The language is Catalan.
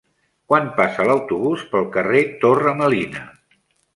Quan passa l'autobús pel carrer Torre Melina?